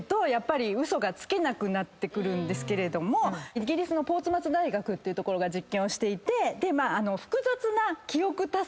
イギリスのポーツマス大学っていう所が実験をしていて。